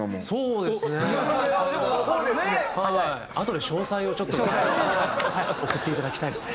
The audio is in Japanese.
あとで詳細をちょっと送っていただきたいですね。